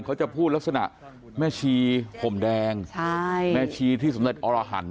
เขาจะพูดลักษณะแม่ชีห่มแดงใช่แม่ชีที่สำเร็จอรหันธ